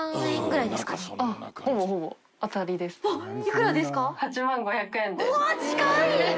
わっいくらですか？